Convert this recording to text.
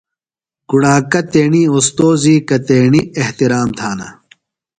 کُݨاکہ تیݨی اوستوذی کنا تھےۡ احترام تھانہ؟